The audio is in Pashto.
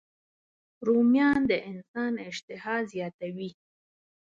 رومیان د انسان اشتها زیاتوي